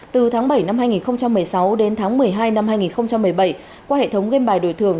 từ tháng bảy năm hai nghìn một mươi sáu đến tháng một mươi hai năm hai nghìn một mươi bảy qua hệ thống game bài đổi thường